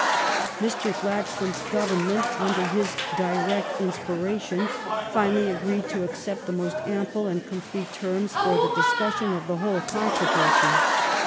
Mr. Gladstones Government, under his direct inspiration, finally agreed to accept the most ample and complete terms for the discus sion of the whole controversy.